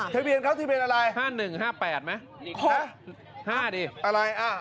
ถะเบียนเขาถะเบียนอะไรห้าห้าสิ